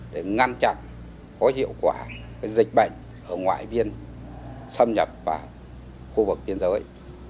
để ngăn chặn có hiệu quả dịch bệnh ở ngoại biên xâm nhập vào khu vực biên giới